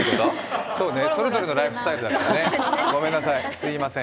そうね、それぞれのライフスタイルがあるからね、ごめんなさい、すいません。